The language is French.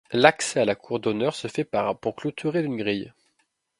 L'accès à la cour d'honneur se fait par un pont clôturé d'une grille.